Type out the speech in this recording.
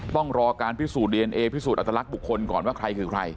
ต้องรอการพิสูจน์ดีเอนเอพิสูจนอัตลักษณ์บุคคลก่อนว่าใครคือใคร